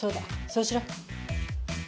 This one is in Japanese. そうしろ。